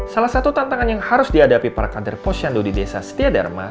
salah satu tantangan yang harus dihadapi para kader posyandu di desa setia dharma